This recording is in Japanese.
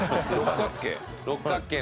六角形。